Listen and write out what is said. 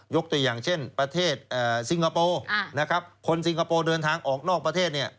ตัวอย่างเช่นประเทศซิงคโปร์นะครับคนสิงคโปร์เดินทางออกนอกประเทศเนี่ย